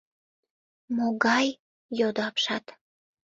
— Могай? — йодо апшат.